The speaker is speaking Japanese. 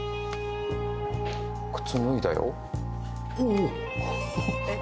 靴脱いだよえっ